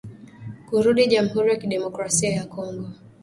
kurudi jamhuri ya kidemokrasia ya Kongo